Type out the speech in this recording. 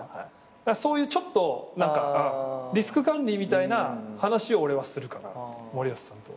そういうちょっとリスク管理みたいな話を俺はするかな森保さんとは。